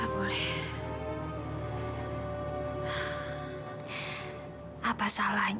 bapak s allen